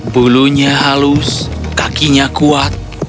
bulunya halus kakinya kuat